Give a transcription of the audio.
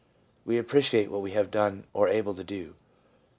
We ap preciate what we have done or are able to do.